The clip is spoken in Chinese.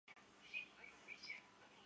家人让她读幼稚园